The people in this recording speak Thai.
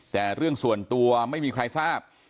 แต่เรื่องส่วนตัวไม่มีใครทราบ